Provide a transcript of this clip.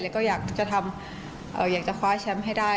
แล้วก็อยากจะทำอยากจะคว้าแชมป์ให้ได้